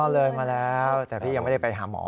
เลยมาแล้วแต่พี่ยังไม่ได้ไปหาหมอ